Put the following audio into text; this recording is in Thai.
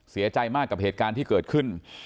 เสียใจมากกับเหตุการณ์ที่เกิดขึ้น